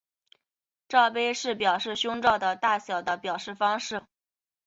罩杯是表示胸罩的大小的表示方式。